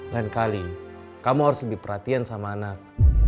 lain kali kamu harus lebih perhatian sama anak